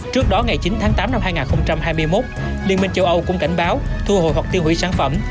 trước đó ngày chín tháng tám năm hai nghìn hai mươi một liên minh châu âu cũng cảnh báo thu hồi hoặc tiêu hủy sản phẩm